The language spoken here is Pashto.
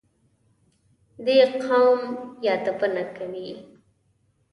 دې قوم یادونه کوي.